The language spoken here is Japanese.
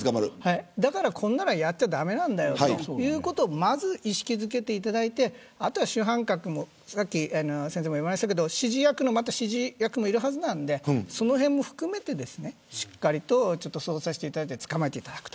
だから、こんなのはやっちゃ駄目なんだということをまず意識付けていただいてあとは主犯格指示役の指示役もいるはずなんでそのへんも含めて、しっかりと捜査していただいて捕まえていただくと。